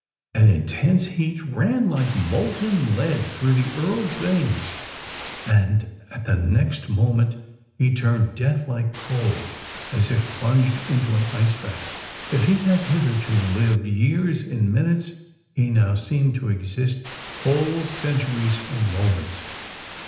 An intense heat ran, like molten lead, through the Earl's veins; and, at the next moment, he turned death like cold, as if plunged into an ice bath. If he had hitherto lived years in minutes—he now seemed to exist whole centuries in moments!